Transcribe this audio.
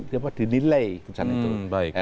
dia harus dinilai putusan itu